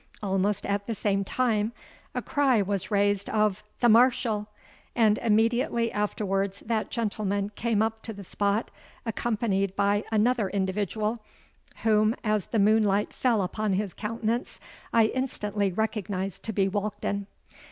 "Almost at the same moment a cry was raised of—'The Marshall'—and immediately afterwards that gentleman came up to the spot, accompanied by another individual, whom, as the moonlight fell upon his countenance, I instantly recognised to be Walkden.